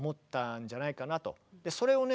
それをね